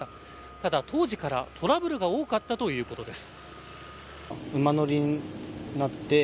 ただ、当時からトラブルが多かったということです。